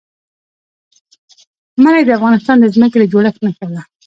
منی د افغانستان د ځمکې د جوړښت نښه ده.